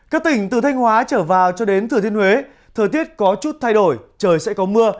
các tỉnh từ thanh hóa trở vào cho đến thừa thiên huế thời tiết có chút thay đổi trời sẽ có mưa